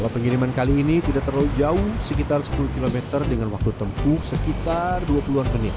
pengiriman kali ini tidak terlalu jauh sekitar sepuluh km dengan waktu tempuh sekitar dua puluh an menit